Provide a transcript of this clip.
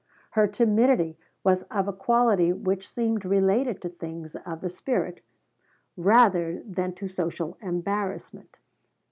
Her timidity was of a quality which seemed related to things of the spirit rather than to social embarrassment.